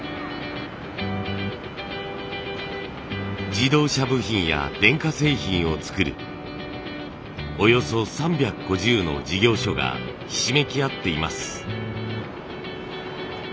自動車部品や電化製品を作るおよそ３５０の事業所がひしめき合っています。